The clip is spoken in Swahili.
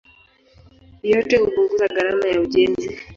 Yote hupunguza gharama za ujenzi.